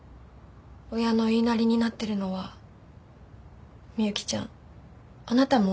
親の言いなりになってるのは美幸ちゃんあなたも同じじゃない？